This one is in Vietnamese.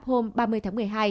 hôm ba mươi tháng một mươi hai